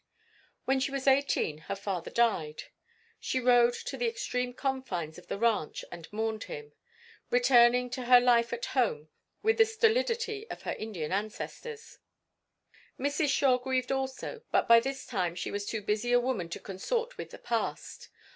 When she was eighteen her father died. She rode to the extreme confines of the ranch and mourned him, returning to her life at home with the stolidity of her Indian ancestors. Mrs. Shore grieved also, but by this time she was too busy a woman to consort with the past.